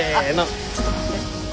あっちょっと待って。